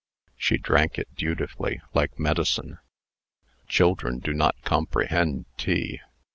She drank it dutifully, like medicine. Children do not comprehend tea.